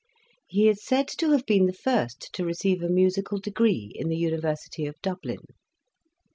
He is said to have been the first to receive a musical degree in the Uni versity of Dublin.